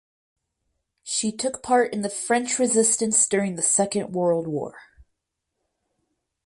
She took part in the French Resistance during the Second World War.